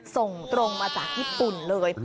ส่งตรงมาจากญี่ปุ่นเลย